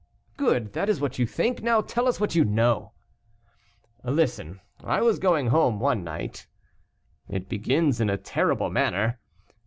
"Good, that is what you think; now tell us what you know." "Listen. I was going home one night " "It begins in a terrible manner."